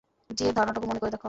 জি-এর ধারণাটুকু মনে করে দেখা।